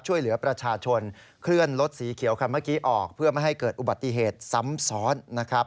ช่วยเหลือประชาชนเคลื่อนรถสีเขียวคันเมื่อกี้ออกเพื่อไม่ให้เกิดอุบัติเหตุซ้ำซ้อนนะครับ